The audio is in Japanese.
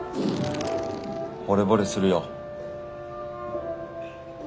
ほれぼれするよ。